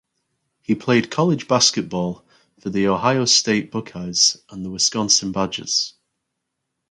He played college basketball for the Ohio State Buckeyes and the Wisconsin Badgers.